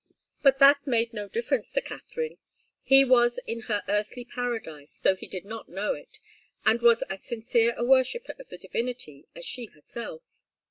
But that made no difference to Katharine. He was in her earthly paradise, though he did not know it, and was as sincere a worshipper of the divinity as she herself.